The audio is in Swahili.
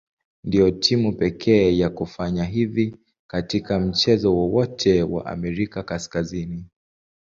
Ndio timu pekee ya kufanya hivi katika mchezo wowote wa Amerika Kaskazini.